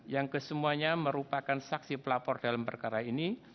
yang kesemuanya merupakan saksi pelapor dalam perkara ini